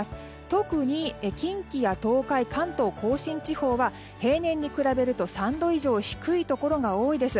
特に近畿や東海関東・甲信地方は平年に比べると３度以上低いところが多いです。